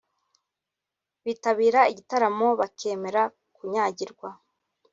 bitabira igitaramo bakemera kunyagirwa